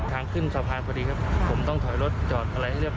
ทางขึ้นสะพานพอดีครับผมต้องถอยรถจอดอะไรให้เรียบ